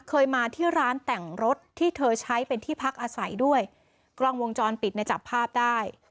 เคยมาที่ร้านแต่งรถที่เธอใช้เป็นที่พักอาศัยด้วยกล้องวงจรปิดในจับภาพได้